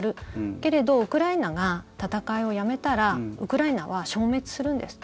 けれど、ウクライナが戦いをやめたらウクライナは消滅するんですと。